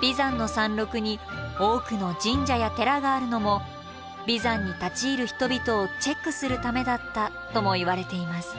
眉山の山麓に多くの神社や寺があるのも眉山に立ち入る人々をチェックするためだったともいわれています。